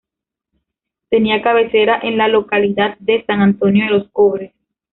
Tenía cabecera en la localidad de San Antonio de los Cobres.